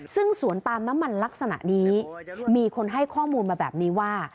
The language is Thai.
ซึ่งสวนปาล์มน้ำมันลักษณะนี้มีคนให้ข้อมูลมาแบบนี้ว่า